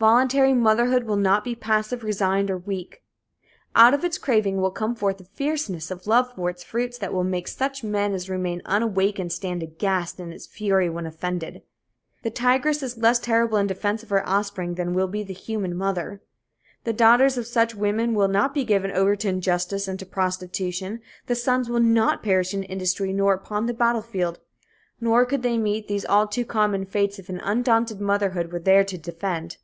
Voluntary motherhood will not be passive, resigned, or weak. Out of its craving will come forth a fierceness of love for its fruits that will make such men as remain unawakened stand aghast at its fury when offended. The tigress is less terrible in defense of her offspring than will be the human mother. The daughters of such women will not be given over to injustice and to prostitution; the sons will not perish in industry nor upon the battle field. Nor could they meet these all too common fates if an undaunted motherhood were there to defend.